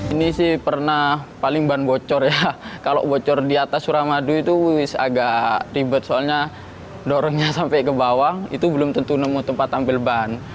ini sih pernah paling ban bocor ya kalau bocor di atas suramadu itu agak ribet soalnya dorongnya sampai ke bawah itu belum tentu nemu tempat tampil ban